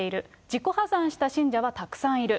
自己破産した信者はたくさんいる。